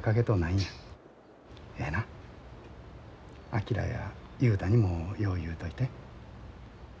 昭や雄太にもよう言うといて。